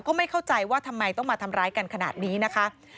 ไม่เข้าใจว่าทำไมต้องมาทำร้ายกันขนาดนี้นะคะ